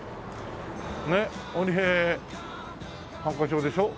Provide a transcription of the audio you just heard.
ねっ『鬼平犯科帳』でしょ。